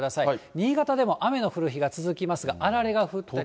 新潟では雨の降る日が続きますが、あられが降ったり。